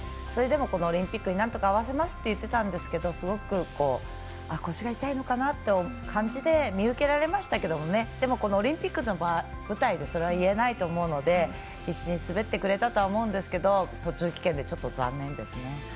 それでもオリンピックになんとか合わせますって言ってたんですけどすごく腰が痛いのかなって感じで見受けられましたけどでも、オリンピックの舞台でそれは言えないと思うので必死に滑ってくれたとは思うんですけど途中棄権でちょっと残念です。